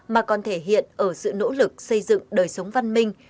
mà còn thể hiện ở sự nỗ lực xây dựng đời sống văn minh